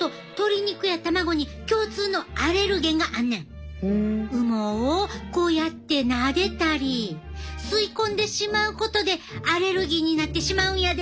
これも同様で羽毛をこうやってなでたり吸い込んでしまうことでアレルギーになってしまうんやで。